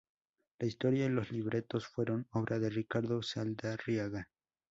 La historia y los libretos fueron obra de Ricardo Saldarriaga.